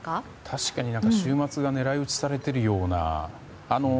確かに、週末が狙い撃ちされているような。